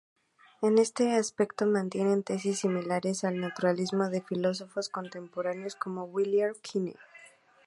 En este aspecto mantiene tesis similares al naturalismo de filósofos contemporáneos como Willard Quine.